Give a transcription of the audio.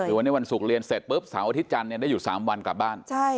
คือวันนี้วันศุกร์เรียนเสร็จปุ๊บเสาร์อาทิตย์จันทร์ได้อยู่๓วันกลับบ้าน